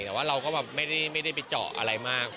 แต่ว่าเราก็แบบไม่ได้ไปเจาะอะไรมาก